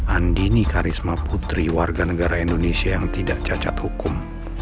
andi nika risma putri warga negara indonesia yang tidak cacat hukum